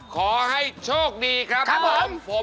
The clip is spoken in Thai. ขอให้โชคดีครับครับผมครับผม